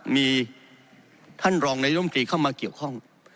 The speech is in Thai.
มีท่านรองนายมตรีเข้ามาเกี่ยวข้อง